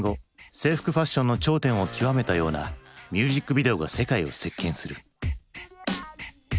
制服ファッションの頂点を極めたようなミュージックビデオが世界を席けんする。